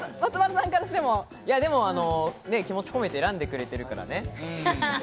気持ち込めて選んでくれてるからね。